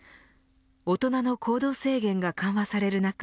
大人の行動制限が緩和される中